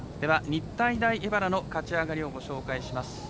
日体大荏原の勝ち上がりをご紹介します。